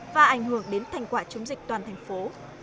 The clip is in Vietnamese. và ảnh hưởng đến thành quả chống dịch toàn thành phố